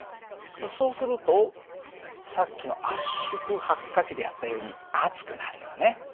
そうするとさっきの圧縮発火機でやったように熱くなるよね。